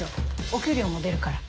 お給料も出るから。